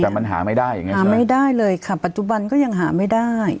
แต่มันหาไม่ได้อย่างเงี้หาไม่ได้เลยค่ะปัจจุบันก็ยังหาไม่ได้